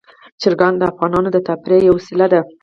چرګان د افغانانو د تفریح یوه وسیله ده.